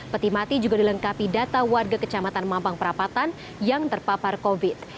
peti mati juga dilengkapi data warga kecamatan mampang perapatan yang terpapar covid